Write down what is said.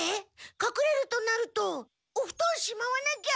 かくれるとなるとおふとんしまわなきゃ。